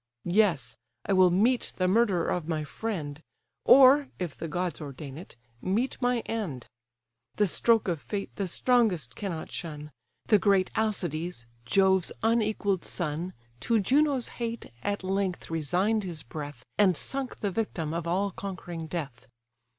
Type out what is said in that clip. Yes—I will meet the murderer of my friend; Or (if the gods ordain it) meet my end. The stroke of fate the strongest cannot shun: The great Alcides, Jove's unequall'd son, To Juno's hate, at length resign'd his breath, And sunk the victim of all conquering death.